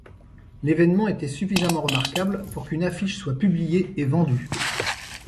L'événement était suffisamment remarquable pour qu'une affiche soit publiée et vendue.